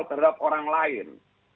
terhadap orang lain